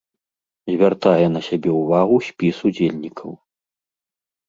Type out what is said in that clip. Звяртае на сябе ўвагу спіс удзельнікаў.